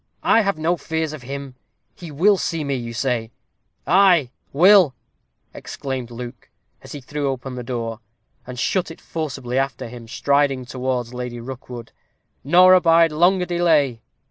"I have no fears of him. He will see me, you say " "Ay, will!" exclaimed Luke, as he threw open the door, and shut it forcibly after him, striding towards Lady Rookwood, "nor abide longer delay."